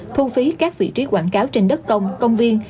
thu phí các vị trí quảng cáo trên đất công công viên